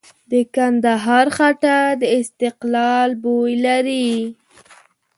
د کندهار خټه د استقلال بوی لري.